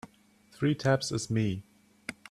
Three taps is me.